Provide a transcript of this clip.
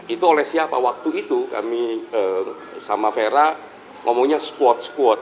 itu oleh siapa waktu itu kami sama vera ngomongnya squat squote